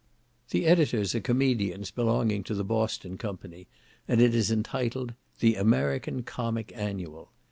The editors are comedians belonging to the Boston company, and it is entitled "The American Comic Annual."